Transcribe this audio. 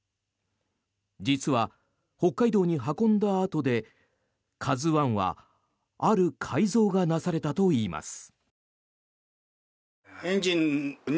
実は、北海道に運んだあとで「ＫＡＺＵ１」はある改造がなされたといいます。